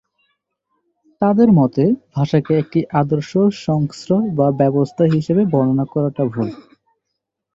তাদের মতে ভাষাকে একটি আদর্শ সংশ্রয় বা ব্যবস্থা হিসেবে বর্ণনা করাটা ভুল।